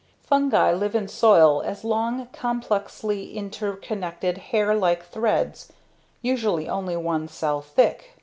Fungi live in soil as long, complexly interconnected hair like threads usually only one cell thick.